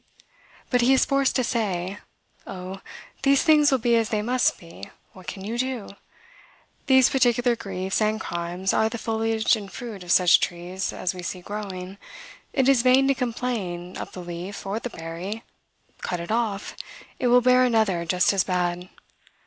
But he is forced to say, "O, these things will be as they must be: what can you do? These particular griefs and crimes are the foliage and fruit of such trees as we see growing. It is vain to complain of the leaf or the berry: cut it off; it will bear another just as bad.